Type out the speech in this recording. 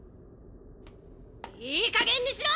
⁉いいかげんにしろ！